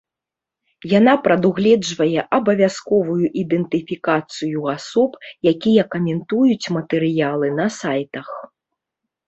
Яна прадугледжвае абавязковую ідэнтыфікацыю асоб, якія каментуюць матэрыялы на сайтах.